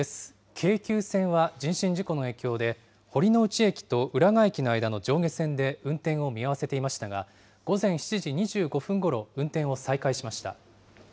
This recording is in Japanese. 京急線は人身事故の影響で、堀ノ内駅と浦賀駅の間の上下線で運転を見合わせていましたが、午前７時２５分ごろ、運転を再開しました。